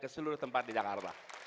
seluruh tempat di jakarta